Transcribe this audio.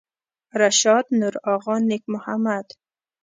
رشاد نورآغا نیک محمد